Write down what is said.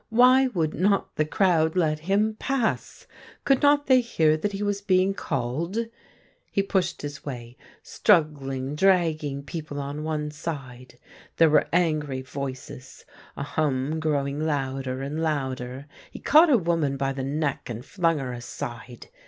Why would not the crowd let him pass .'' Could not they hear that he was being called .'' He pushed his way, struggling, dragging people on one side. There were angry voices, a hum growing louder and louder. He caught a woman by the neck and flung her aside.